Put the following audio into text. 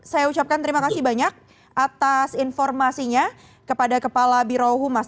saya ucapkan terima kasih banyak atas informasinya kepada kepala birohumas